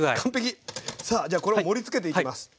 さあじゃあこれを盛りつけていきます。